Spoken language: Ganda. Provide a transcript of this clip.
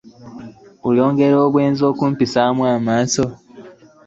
Oyongera bwongezi kumpisaamu maaso.